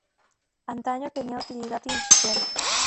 Antaño tenía utilidad industrial.